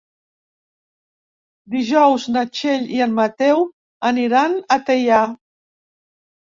Dijous na Txell i en Mateu aniran a Teià.